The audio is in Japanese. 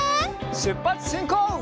しゅっぱつしんこう！